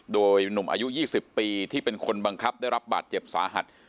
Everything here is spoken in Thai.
โดยหนุ่มอายุ๒๐ปีที่เป็นคนบังคับได้รับบาดเจ็บสาหัส